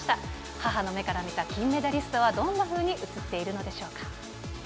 母の目から見た金メダリストはどんなふうに映っているんでしょう